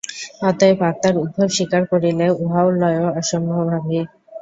অতএব আত্মার উদ্ভব স্বীকার করিলে উহার লয়ও অবশ্যম্ভাবী।